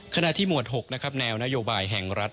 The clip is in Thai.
ขณะที่หมวด๖แนวนโยบายแห่งรัฐ